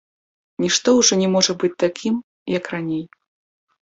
Нішто ўжо не можа быць такім, як раней.